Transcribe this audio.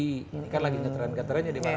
ini kan lagi nyeteren nyeterennya di mana mana